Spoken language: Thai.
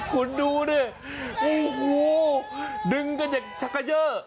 คุณดูนี่โอ้โหดึงกันยังเชิกทักเกย้อ